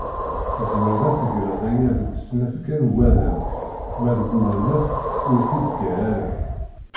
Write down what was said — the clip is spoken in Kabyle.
Tzemreḍ ad tegreḍ aya deg tesnakta n uwadem ma deg uwennet ur t-id-ggar ara.